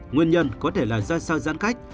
nguyên nhân có thể là do sau giãn cách